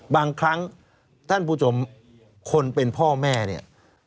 บางครั้งท่านผู้ชมคนเป็นพ่อแม่เนี่ย